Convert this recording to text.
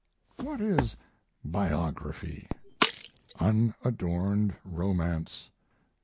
What is biography? Unadorned romance.